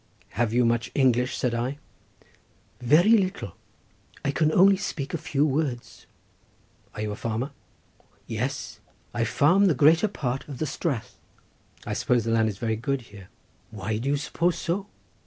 "Have you much English?" said I. "Very little; I can only speak a few words." "Are you the farmer?" "Yes! I farm the greater part of the Strath." "I suppose the land is very good here?" "Why do you suppose so?"